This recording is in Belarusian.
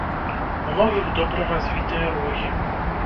У многіх добра развітыя рогі.